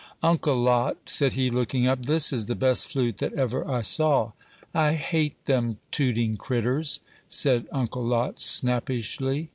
"Uncle Lot," said he, looking up, "this is the best flute that ever I saw." "I hate them tooting critturs," said Uncle Lot, snappishly.